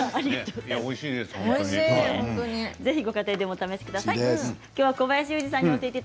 ご家庭でもお試しください。